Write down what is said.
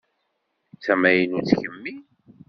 D tamaynutt kemmi?